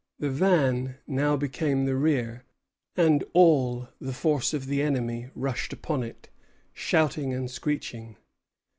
The van now became the rear, and all the force of the enemy rushed upon it, shouting and screeching.